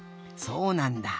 そうなんだ。